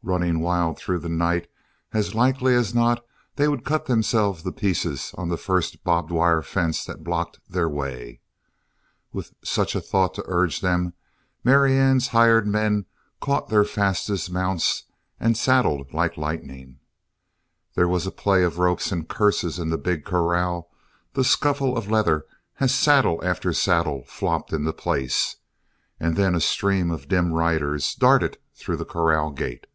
Running wild through the night, as likely as not they would cut themselves to pieces on the first barbed wired fence that blocked their way. With such a thought to urge them, Marianne's hired men caught their fastest mounts and saddled like lightning. There was a play of ropes and curses in the big corral, the scuffle of leather as saddle after saddle flopped into place, and then a stream of dim riders darted through the corral gate.